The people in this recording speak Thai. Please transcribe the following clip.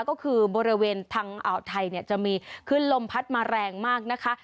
ก็คือบริเวณทางอ่าวไทยเนี่ยจะมีขึ้นลมพัดมาแรงมากนะคะ